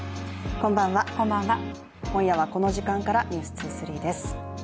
こんばんは、今夜はこの時間から「ｎｅｗｓ２３」です。